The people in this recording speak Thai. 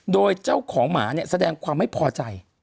โดยเจ้าของหมาเนี่ยแสดงความไม่พอใจ